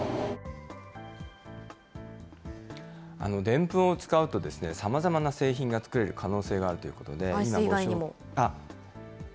デンプンを使うと、さまざまな製品が作れる可能性があるということで。